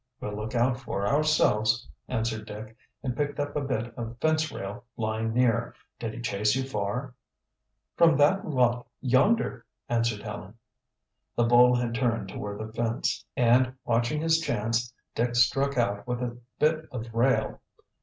"We'll look out for ourselves," answered Dick, and picked up a bit of fence rail lying near. "Did he chase you far?" "From that lot yonder," answered Helen. The bull had turned toward the fence, and watching his chance, Dick struck out with the bit of rail.